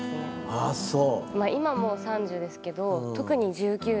あぁそう。